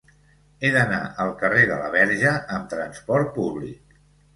He d'anar al carrer de la Verge amb trasport públic.